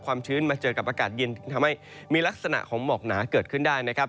ชื้นมาเจอกับอากาศเย็นทำให้มีลักษณะของหมอกหนาเกิดขึ้นได้นะครับ